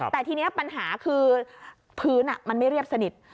แต่ทีนี้ปัญหาคือพื้นมันไม่เรียบสนิท